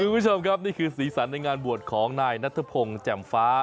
คุณผู้ชมครับนี่คือสีสันในงานบวชของนายนัทพงศ์แจ่มฟ้า